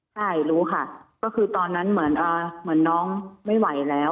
ใช่รู้ค่ะก็คือตอนนั้นเหมือนน้องไม่ไหวแล้ว